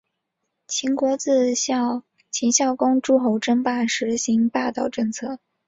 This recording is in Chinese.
秦国自秦孝公称霸诸候时行霸道政策。